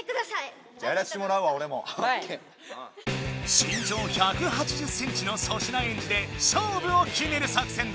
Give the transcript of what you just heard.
身長１８０ｃｍの粗品エンジで勝負を決める作戦だ！